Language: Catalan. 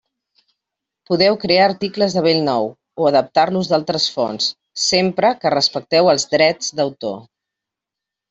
Podeu crear articles de bell nou, o adaptar-los d'altres fonts, sempre que respecteu els drets d'autor.